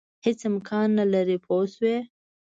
هېڅ امکان نه لري پوه شوې!.